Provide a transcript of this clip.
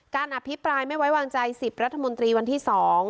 การอภิปรายไม่ไว้วางใจสิบรัฐมนตรีวันที่สอง